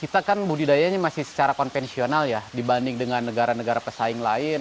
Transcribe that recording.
kita kan budidayanya masih secara konvensional ya dibanding dengan negara negara pesaing lain